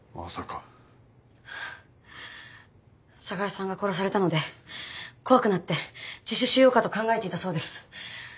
寒河江さんが殺されたので怖くなって自首しようかと考えていたそうです。